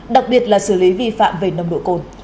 đặc biệt là xử lý vi phạm về nồng độ cồn